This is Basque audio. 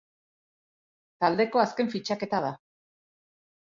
Taldeko azken fitxaketa da.